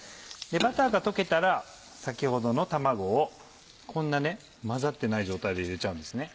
バターが溶けたら先ほどの卵をこんな混ざってない状態で入れちゃうんですね。